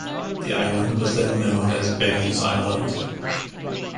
The island was then known as 'Bangs Island'.